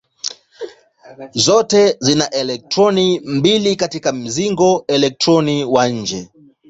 Zote zina elektroni mbili katika mzingo elektroni wa nje.